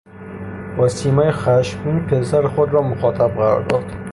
با سیمایی خشمگین پسر خود را مخاطب قرار داد.